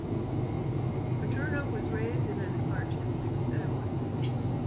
Paterno was raised in an artistic family.